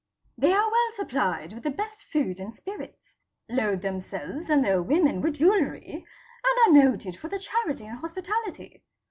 '' They are well supplied with the best food and spirits, load themselves and their women with jewellery and are noted for their charity and hospitality.